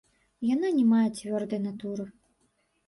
Яна не мае цвёрдай натуры.